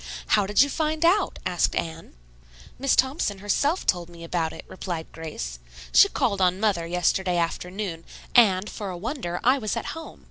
"How did you find out?" asked Anne. "Miss Thompson herself told me about it," replied Grace. "She called on mother yesterday afternoon, and, for a wonder, I was at home.